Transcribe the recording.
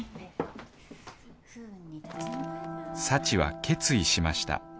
幸は決意しました。